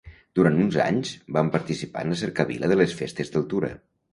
Durant uns anys van participar en la Cercavila de les Festes del Tura.